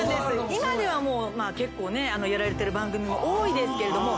今では結構ねやられてる番組も多いですけれども。